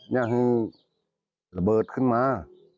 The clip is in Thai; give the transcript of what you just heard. ยังระเบิดขึ้นมา